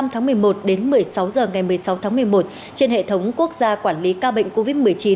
một mươi tháng một mươi một đến một mươi sáu h ngày một mươi sáu tháng một mươi một trên hệ thống quốc gia quản lý ca bệnh covid một mươi chín